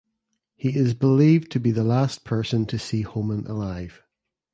He is believed to be the last person to see Homan alive.